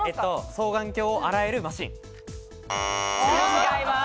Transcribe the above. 双眼鏡を洗えるマシン。